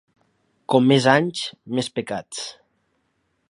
Com més anys, més pecats.